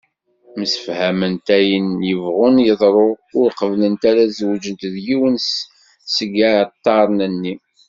Msefhament ayen yebɣun yeḍru ur qebblent ara ad zewǧent d yiwen seg yiɛeṭṭaren-nni.